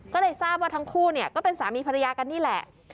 ก็เลยทราบว่าทั้งคู่เนี่ยก็เป็นสามีภรรยากันนี่แหละ